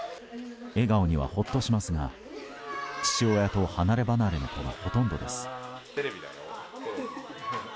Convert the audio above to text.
笑顔にはほっとしますが父親と離ればなれの子がほとんどです。